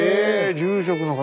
⁉住職の方。